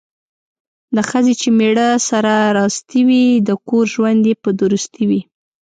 د ښځې چې میړه سره راستي وي، د کور ژوند یې په درستي وي.